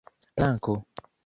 planko